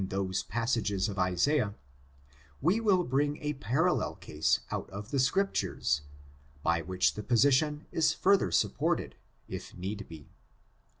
327 those passages in Isaiah, we will bring a parallel case out of the Scriptures, by which the position is fur ther supported if need be.